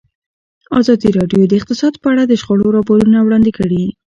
ازادي راډیو د اقتصاد په اړه د شخړو راپورونه وړاندې کړي.